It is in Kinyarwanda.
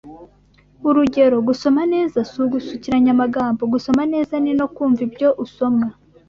Urugero Gusoma neza si ugusukiranya amagambo gusoma neza ni no kumva ibyo usoma